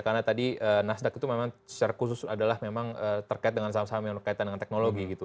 karena tadi nasdaq itu memang secara khusus adalah memang terkait dengan saham saham yang berkaitan dengan teknologi gitu